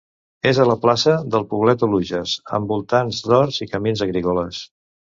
És a la plaça del poblet Oluges, amb voltants d'horts i camins agrícoles.